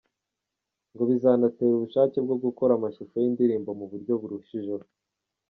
Ngo bizanabatera ubushake bwo gukora amashusho y’indirimbo mu buryo burushijeho.